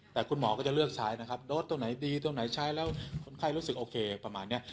แต่คุณหมอก็จะเลือกใช้นะครับโดสตรงไหนดีตรงไหนใช้แล้วคนไข้รู้สึกโอเคประมาณนี้